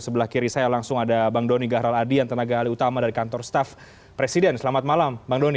sebelah kiri saya langsung ada bang doni gahral adian tenaga ahli utama dari kantor staf presiden selamat malam bang doni